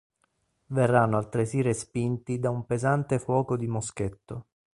Verranno altresì respinti da un pesante fuoco di moschetto.